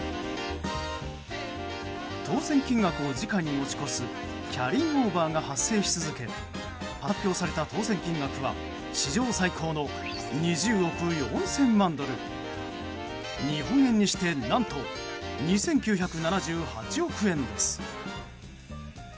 当せん金額を次回に持ち越すキャリーオーバーが発生し続け発表された当せん金額は史上最高の２０億４０００万ドル日本円にして何と２９７８億円です。